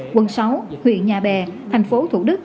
quận sáu huyện nhà bè thành phố thủ đức